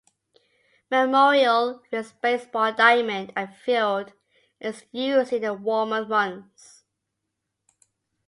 Memorial Field's baseball diamond and field is used in the warmer months.